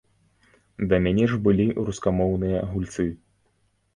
Да мяне ж былі рускамоўныя гульцы.